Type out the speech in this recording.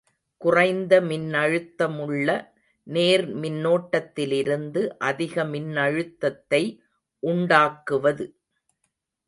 குறைந்த மின்னழுத்தமுள்ள நேர்மின்னோட்டத்திலிருந்து அதிக மின்னழுத்தத்தை உண்டாக்குவது.